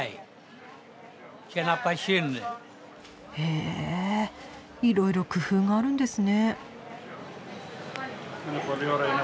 へえいろいろ工夫があるんですね。